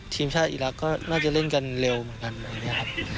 ทีมชาติอีรักษ์ก็น่าจะเล่นกันเร็วเหมือนกัน